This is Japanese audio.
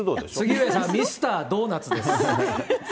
杉上さん、ミスタードーナツです。